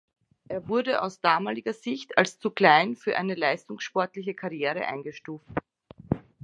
Er wurde aus damaliger Sicht als zu klein für eine leistungssportliche Karriere eingestuft.